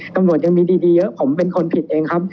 ตำรวจยังมีดีเยอะผมเป็นคนผิดเองครับ